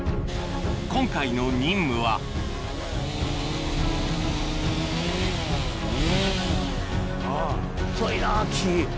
今回の任務は太いな木。